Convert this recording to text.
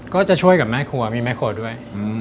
ก็จะช่วยกับแม่ครัวมีแม่ครัวด้วย